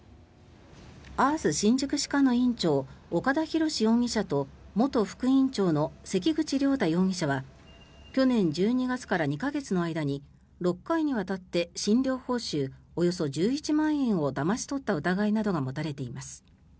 あーす新宿歯科の院長岡田洋容疑者と元副院長の関口了太容疑者は去年１２月から２か月の間に６回にわたって診療報酬およそ１１万円をだまし取った疑いなどが持たれています。